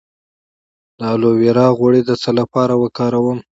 د الوویرا غوړي د څه لپاره وکاروم؟